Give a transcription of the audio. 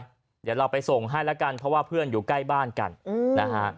เดี๋ยวเราไปส่งให้แล้วกันเพราะว่าเพื่อนอยู่ใกล้บ้านกันนะฮะ